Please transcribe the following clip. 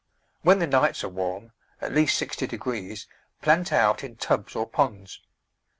When the nights are warm — at least 6o° — plant out in tubs or ponds.